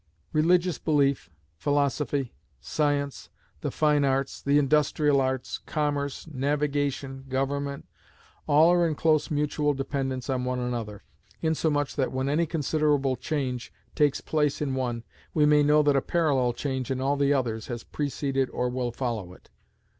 Religious belief, philosophy, science, the fine arts, the industrial arts, commerce, navigation, government, all are in close mutual dependence on one another, insomuch that when any considerable change takes place in one, we may know that a parallel change in all the others has preceded or will follow it.